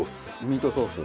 ミートソース。